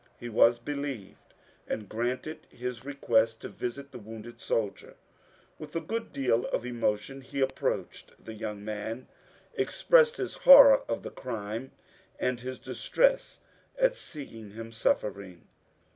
He was believed and granted his request to visit the wounded soldier. With a good deal of emotion he approached the yoimg man, expressed his horror of the crime, and his distress at seeing him suffering.